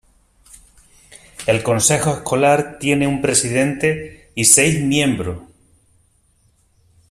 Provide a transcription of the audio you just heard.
El consejo escolar tiene un presidente y seis miembros.